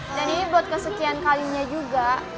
ini buat kesekian kalinya juga